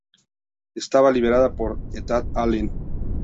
Estaba liderada por Ethan Allen.